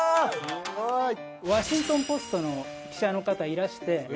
『ワシントン・ポスト』の記者の方いらして。